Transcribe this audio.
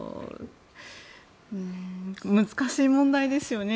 難しい問題ですよね。